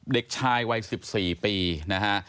เด็กชายวัย๑๔ปีนะฮะ